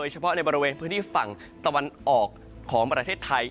เฉพาะในบริเวณพื้นที่ฝั่งตะวันออกของประเทศไทย